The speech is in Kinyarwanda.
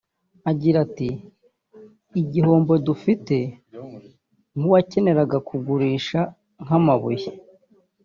Agira ati “Igihombo dufite nk’uwakeneraga kugurisha nk’amabuye